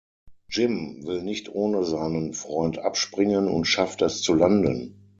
Jim will nicht ohne seinen Freund abspringen und schafft es zu landen.